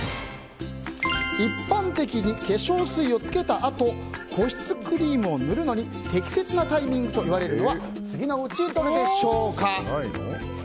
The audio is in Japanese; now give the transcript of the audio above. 一般的に化粧水をつけたあと保湿クリームを塗るのに適切なタイミングといわれるのは次のうちどれでしょうか。